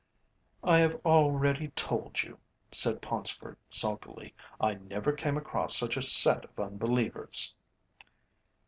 "I have already told you," said Paunceford sulkily. "I never came across such a set of unbelievers."